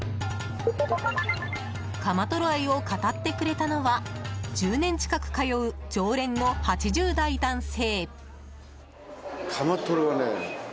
カマトロ愛を語ってくれたのは１０年近く通う常連の８０代男性。